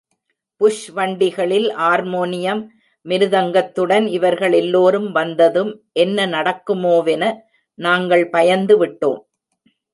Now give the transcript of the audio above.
Push வண்டிகளில் ஆர்மோனியம் மிருதங்கத்துடன் இவர்கள் எல்லோரும் வந்ததும் என்ன நடக்குமோவென நாங்கள் பயந்து விட்டோம்.